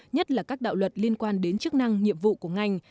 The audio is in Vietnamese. nhất là các đạo luật liên quan đến chức năng nhiệm vụ của ngành